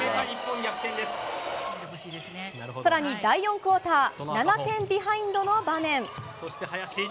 更に第４クオーター７点ビハインドの場面。